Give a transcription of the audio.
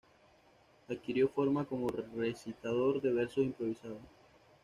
Adquirió fama como recitador de versos improvisados.